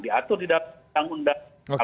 diatur di dalam undang undang